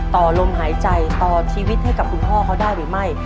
ต่อลมหายใจต่อชีวิตให้กับคุณพ่อเขาได้หรือไม่